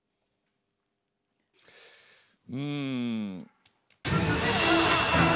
うん。